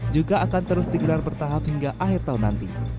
juga akan terus digelar bertahap hingga akhir tahun nanti